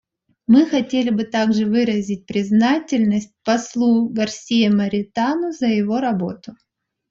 Мы хотели бы также выразить признательность послу Гарсие Моритану за его работу.